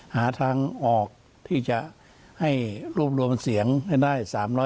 หาทางออกที่จะให้รวบรวมเสียงให้ได้๓๐๐